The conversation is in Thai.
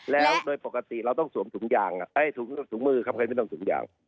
แล้วโดยปกติเราต้องถูกมือครับไม่ต้องถูกยาง